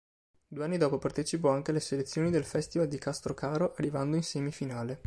Due anni dopo partecipò anche alle selezioni del Festival di Castrocaro arrivando in semifinale.